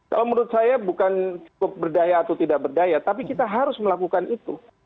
kalau menurut saya bukan cukup berdaya atau tidak berdaya tapi kita harus melakukan itu